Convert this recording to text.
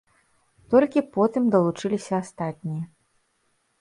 Толькі потым далучыліся астатнія.